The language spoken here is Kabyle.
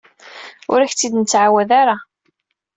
Ur ak-t-id-nettɛawad ara.